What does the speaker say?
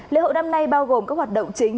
lễ hội năm nay bao gồm các hoạt động chính